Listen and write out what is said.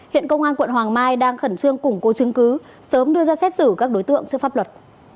hiện công an quận hoàng mai đang khẩn trương củng cố chứng cứ sớm đưa ra xét xử các đối tượng trước pháp luật